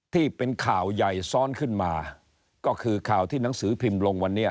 ที่เป็นข่าวใหญ่ซ้อนขึ้นมาก็คือข่าวที่หนังสือพิมพ์ลงวันนี้